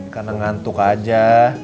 karena ngantuk aja